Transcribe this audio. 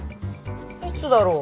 いつだろう。